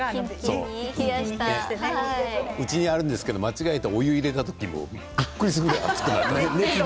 うちにあるんですけど間違えて、お湯を入れた時にびっくりするぐらい熱くなりました。